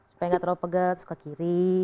supaya nggak terlalu pegat terus ke kiri